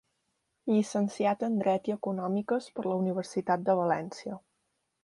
Llicenciat en dret i econòmiques per la Universitat de València.